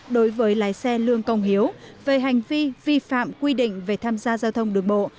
đối với lái xe lương công hiếu về hành vi vi phạm quy định về tham gia giao thông đường bộ